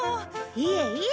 いえいえ。